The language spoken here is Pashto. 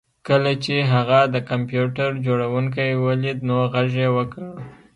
کله چې هغه د کمپیوټر جوړونکی ولید نو غږ یې وکړ